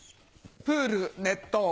プール熱湯。